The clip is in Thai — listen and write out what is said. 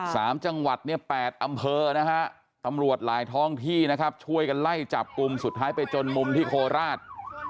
สามจังหวัดเนี่ยแปดอำเภอนะฮะตำรวจหลายท้องที่นะครับช่วยกันไล่จับกลุ่มสุดท้ายไปจนมุมที่โคราช